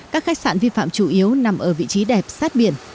các khách sạn vi phạm chủ yếu nằm ở vị trí đẹp sát biển